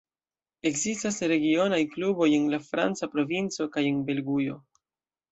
Ekzistas regionaj kluboj en la franca provinco kaj en Belgujo.